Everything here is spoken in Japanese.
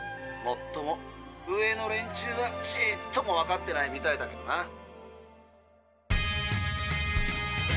もっとも上の連中はちっともわかってないみたいだけどな。